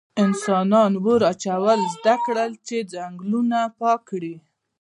انسانان اور اچول زده کړل چې ځنګلونه پاک کړي.